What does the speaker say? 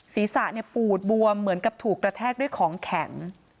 ศีรษะปูดบวมเหมือนกับถูกกระแทกด้วยของแข็ง